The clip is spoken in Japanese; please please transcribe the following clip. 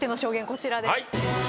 こちらです。